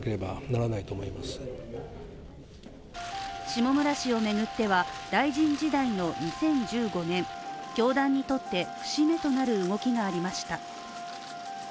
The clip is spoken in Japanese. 下村氏を巡っては大臣時代の２０１５年、教団にとって節目となる動きがありました。